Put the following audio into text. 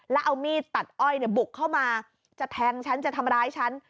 แล้วเอามีดตัดอ้อยบุกเข้ามาจะแทงฉันจะทำร้ายฉัน